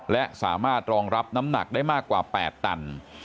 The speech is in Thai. และสามารถรองรับน้ำหนักได้มากกว่า๘ตัน